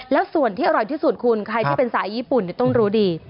แล้วส่วนที่อร่อยที่สุดคุณใครที่เป็นสายญี่ปุ่นต้องรู้ดี